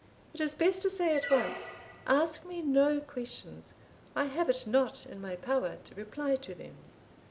It is best to say at once, Ask me no questions, I have it not in my power to reply to them."